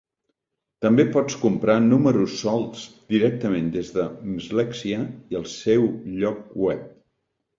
També pots comprar números solts directament de Mslexia i en el seu lloc web.